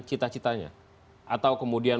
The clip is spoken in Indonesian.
cita citanya atau kemudian